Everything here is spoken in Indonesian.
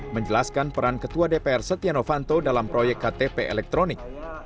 menjelaskan peran ketua dpr setia novanto dalam proyek ktp elektronik